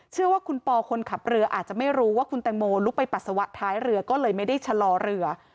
เชื่อว่าคุณปอคนขับเรืออาจจะไม่รู้ว่าคุณแตงโมลุกไปปัสสาวะท้ายเรือก็เลยไม่ได้ชะลอเรือ